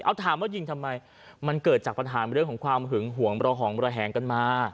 เอาถามว่ายิงทำไมมันเกิดจากปัญหาเรื่องของความหึงห่วงระหองระแหงกันมา